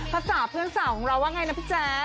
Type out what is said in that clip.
ภาษาเพื่อนสาวของเราว่าไงนะพี่แจ๊ค